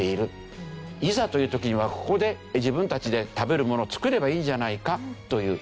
いざという時にはここで自分たちで食べるものを作ればいいじゃないかという。